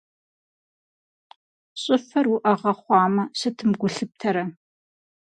ЩӀыфэр уӀэгъэ хъуамэ, сытым гу лъыптэрэ?